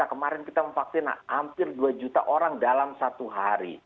kemarin kita memvaksina hampir dua juta orang dalam satu hari